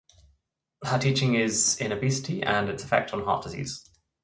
Her teaching is in obesity and its effect on heart disease.